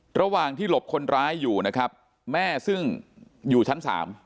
ระหว่างที่หลบคนร้ายอยู่นะครับแม่ซึ่งอยู่ชั้น๓